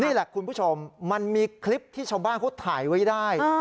นี่แหละคุณผู้ชมมันมีคลิปที่ชาวบ้านเขาถ่ายไว้ได้